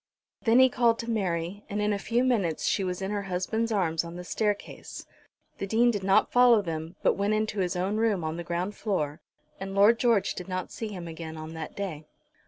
Then he called to Mary, and in a few minutes she was in her husband's arms on the staircase. The Dean did not follow them, but went into his own room on the ground floor; and Lord George did not see him again on that day.